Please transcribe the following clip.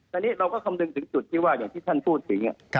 ตอนนี้เราก็คำนึงถึงจุดที่ว่าอย่างที่ท่านพูดถึง